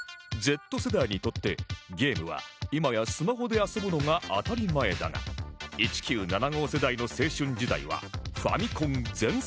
Ｚ 世代にとってゲームは今やスマホで遊ぶのが当たり前だが１９７５世代の青春時代はファミコン全盛期